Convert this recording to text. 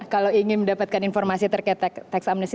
kalau ingin mendapatkan informasi terkait teks amnesti